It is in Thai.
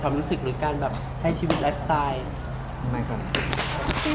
ความรู้สึกหรือการใช้ชีวิตแบบไชส์สไตล์